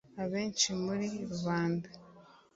abenshi muri rubanda